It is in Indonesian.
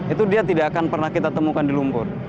itu dia tidak akan pernah kita temukan di lumpur